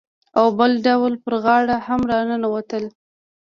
او بل ډول پر غاړه هم راننوتل.